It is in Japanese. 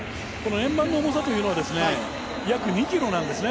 円盤の重さというのは約２ｋｇなんですね。